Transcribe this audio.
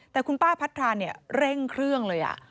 แต่คุณป้าพัทราเนี่ยเร่งเครื่องเลย